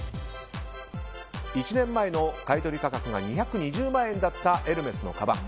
１年前の買い取り価格が２２０万円だったエルメスのかばん。